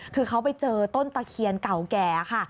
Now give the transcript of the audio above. คือเขาไปเจอต้นตะเคียนเก่าแก่ค่ะ